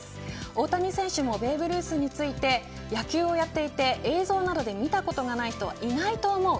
大谷選手もベーブ・ルースについて野球をやっていて映像などで見たことがない人はいないと思う。